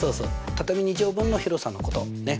畳２畳分の広さのことねっ。